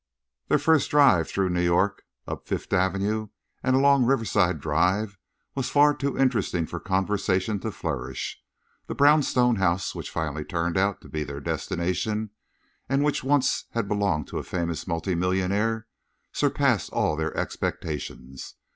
Their first drive through New York up Fifth Avenue and along Riverside Drive was far too interesting for conversation to flourish. The brownstone house which finally turned out to be their destination, and which had once belonged to a famous multimillionaire, surpassed all their expectations.